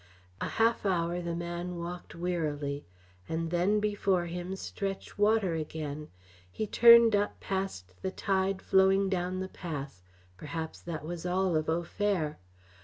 A half hour the man walked wearily, and then before him stretched water again. He turned up past the tide flowing down the pass perhaps that was all of Au Fer.